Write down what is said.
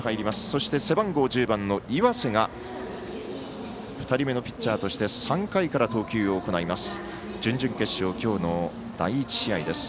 そして背番号１０番の岩瀬が２人目のピッチャーとして３回から投球を行います。